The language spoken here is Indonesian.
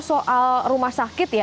soal rumah sakit ya